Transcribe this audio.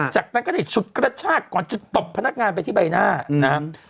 จากนั้นก็ได้ฉุดกระชากก่อนจะตบพนักงานไปที่ใบหน้านะครับ